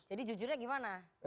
jadi jujurnya gimana